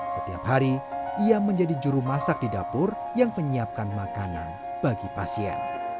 setiap hari ia menjadi juru masak di dapur yang menyiapkan makanan bagi pasien